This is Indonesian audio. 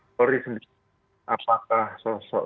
polri sendiri apakah sosok